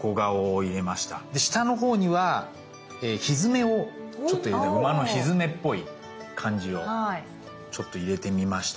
で下のほうにはひづめをちょっと入れ馬のひづめっぽい感じをちょっと入れてみました。